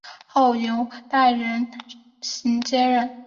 后由戴仁行接任。